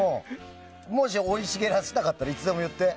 もし生い茂らせたかったらいつでも言って。